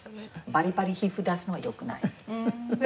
バリバリ皮膚出すのはよくない。